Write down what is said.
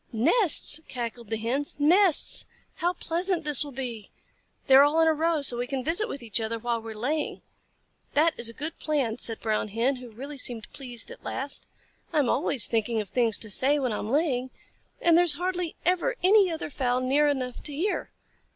"Nests!" cackled the Hens. "Nests! How pleasant this will be! They are all in a row, so we can visit with each other while we are laying." "That is a good plan," said the Brown Hen, who really seemed pleased at last. "I am always thinking of things to say when I am laying, and there is hardly ever any other fowl near enough to hear.